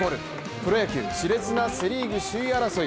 プロ野球、しれつなセ・リーグ首位争い。